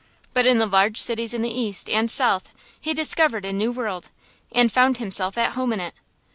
But in the large cities in the east and south he discovered a new world, and found himself at home in it.